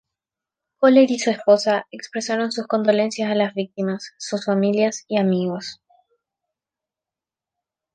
Köhler y su esposa expresaron sus condolencias a las víctimas, sus familias y amigos.